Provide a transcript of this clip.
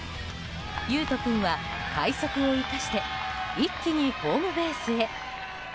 悠翔君は快足を生かして一気にホームベースへ。